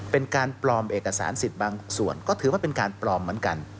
เป็นการปลอมเอกสารสิทธิ์บางส่วนก็ถือว่าเป็นการปลอมเหมือนกัน